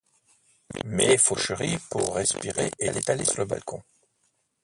Mais Fauchery, pour respirer, était allé sur le balcon.